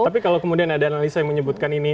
tapi kalau kemudian ada analisa yang menyebutkan ini